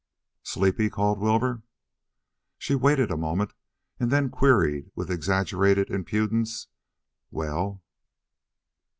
"Sleepy?" called Wilbur. She waited a moment and then queried with exaggerated impudence: "Well?"